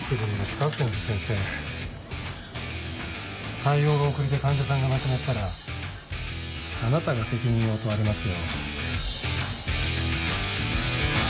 対応が遅れて患者さんが亡くなったらあなたが責任を問われますよ。